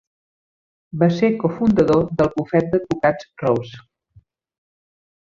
Va ser cofundador del bufet d'advocats Rose.